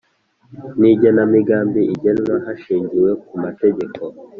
n Igenamigambi igenwa hashingiwe ku mategeko